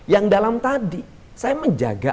yang dalam tadi saya menjaga